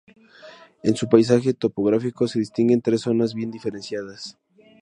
En su paisaje topográfico se distinguen tres zonas bien diferenciadas.